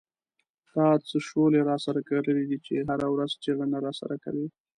تا څه شولې را سره کرلې دي چې هره ورځ څېړنه را سره کوې.